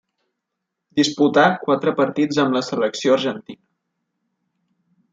Disputà quatre partits amb la selecció argentina.